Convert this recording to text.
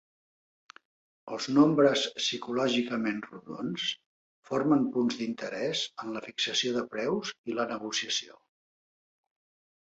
Els nombres psicològicament rodons formen punts d'interès en la fixació de preus i la negociació.